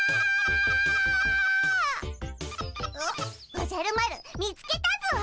おじゃる丸見つけたぞ。